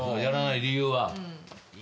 やらない理由は。